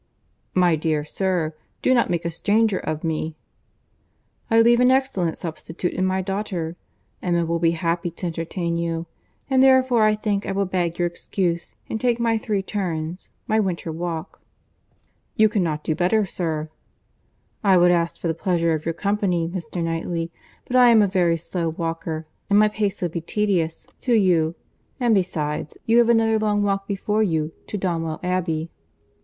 "My dear sir, do not make a stranger of me." "I leave an excellent substitute in my daughter. Emma will be happy to entertain you. And therefore I think I will beg your excuse and take my three turns—my winter walk." "You cannot do better, sir." "I would ask for the pleasure of your company, Mr. Knightley, but I am a very slow walker, and my pace would be tedious to you; and, besides, you have another long walk before you, to Donwell Abbey."